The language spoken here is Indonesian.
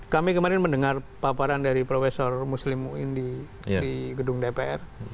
kami kemarin mendengar paparan dari profesor muslim muindi di gedung dpr